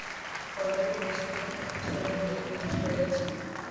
কাল ডেপুটি ম্যাজিস্ট্রেটের নিকট বিচারের দিন নির্দিষ্ট হইয়াছে।